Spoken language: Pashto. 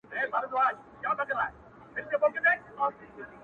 په څو ساعته دې د سترگو باڼه و نه رپي!!